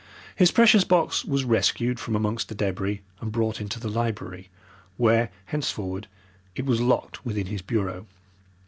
His precious box was rescued from amongst the debris and brought into the library, where, henceforward, it was locked within his bureau.